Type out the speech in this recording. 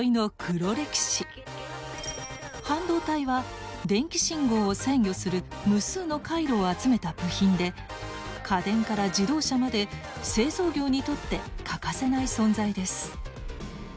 半導体は電気信号を制御する無数の回路を集めた部品で家電から自動車まで製造業にとって欠かせない存在です。